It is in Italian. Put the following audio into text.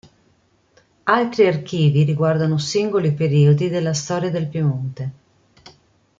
Altri archivi riguardano singoli periodi della storia del Piemonte.